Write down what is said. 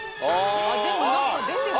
でも何か出てる。